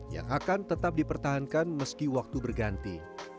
yang akan tetap dipertahankan meski waktu berganti